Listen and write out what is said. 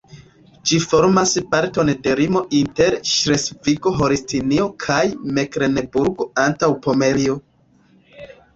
Ĝi formas parton de limo inter Ŝlesvigo-Holstinio kaj Meklenburgo-Antaŭpomerio.